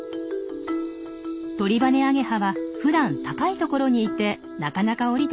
トリバネアゲハはふだん高い所にいてなかなか降りてきません。